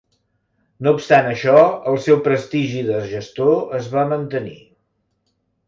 No obstant això, el seu prestigi de gestor es va mantenir.